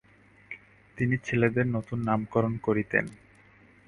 তিনি ছেলেদের নূতন নামকরণ করিতেন।